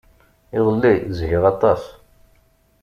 Iḍelli, zhiɣ aṭas.